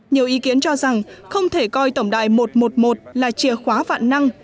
nhiều ý kiến cho rằng không thể coi tổng đài một trăm một mươi một là chìa khóa vạn năng